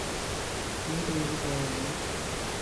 你哋有道理